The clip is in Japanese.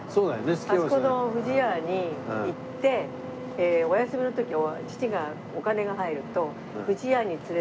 あそこの不二家に行ってお休みの時父がお金が入ると不二家に連れてってくれて。